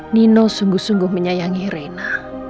nino sungguh sungguh menyayangi reina